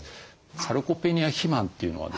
サルコペニア肥満というのはですね